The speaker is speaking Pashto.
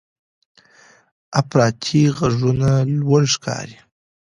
افراطي غږونه لوړ ښکاري.